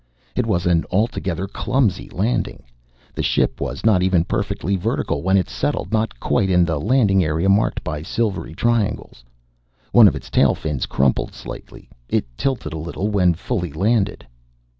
It was an altogether clumsy landing. The ship was not even perfectly vertical when it settled not quite in the landing area marked by silvery triangles. One of its tail fins crumpled slightly. It tilted a little when fully landed.